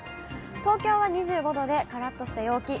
東京は２５度でからっとした陽気。